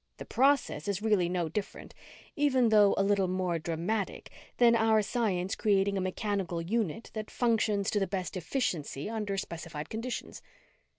The process is really no different, even though a little more dramatic, than our science creating a mechanical unit that functions to the best efficiency under specified conditions."